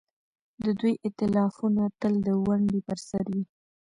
د دوی ائتلافونه تل د ونډې پر سر وي.